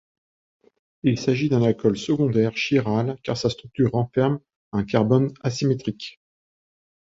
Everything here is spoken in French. Il s’agit d’un alcool secondaire chiral car sa structure renferme un carbone asymétrique.